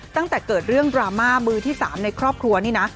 ตั้งแต่เกิดเรื่องดราม่ามือที่๓ในครอบครัวนี่นะ